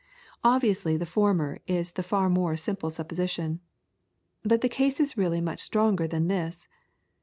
Obviously, the former is far the more simple supposition. But the case is really much stronger than this.